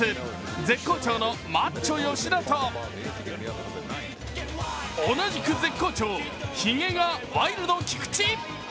絶好調のマッチョ吉田と、同じく絶好調、ひげがワイルド、菊池。